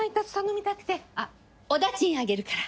あっお駄賃あげるから。